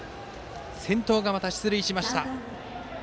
先頭が出塁しました。